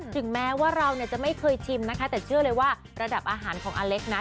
ถึงแม้ว่าเราจะไม่เคยชิมนะคะแต่เชื่อเลยว่าระดับอาหารของอเล็กนั้น